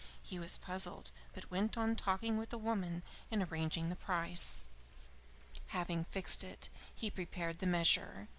He was puzzled, but went on talking with the woman, and arranging the price. Having fixed it, he prepared the measure.